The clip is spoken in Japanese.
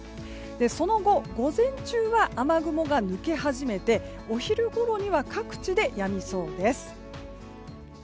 その後、午前中は雨雲が抜け始めてお昼ごろには各地でやみそうです。